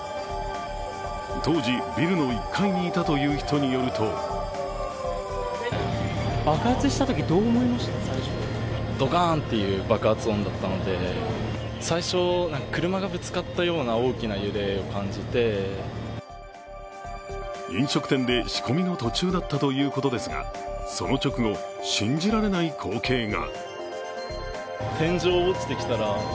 当時、ビルの１階にいたという人によると飲食店で仕込みの途中だったということですが、その直後、信じられない光景が。